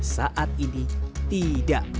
saat ini tidak banyak